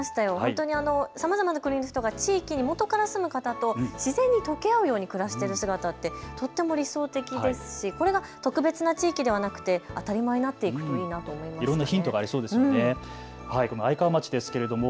さまざまな国の人が地域にもとから住む方ととけ合うように暮らす姿がとっても理想的ですし、これが特別な地域ではなくて当たり前になっていくといいなと思いました。